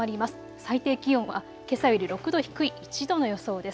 最低気温はけさより６度低い１度の予想です。